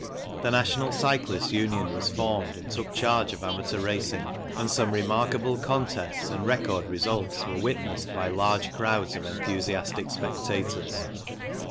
The National Cyclists Union was formed and took charge of amateur racing and some remarkable contests and record results were witnessed by large crowds of enthusiastic spectators.